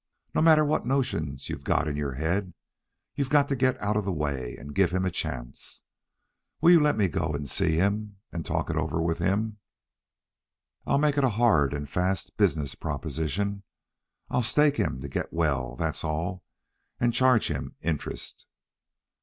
No matter what notions you've got in your head, you've got to get out of the way and give him a chance. Will you let me go and see him and talk it over with him? I'll make it a hard and fast business proposition. I'll stake him to get well, that's all, and charge him interest."